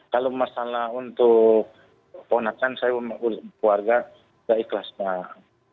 kalau masalah untuk ponakan saya keluarga tidak ikhlas pak